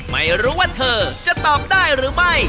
ไม่รู้ว่าเธอจะตอบได้หรือไม่